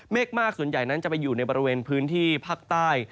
มากส่วนใหญ่นั้นจะไปอยู่ในบริเวณพื้นที่ภาคใต้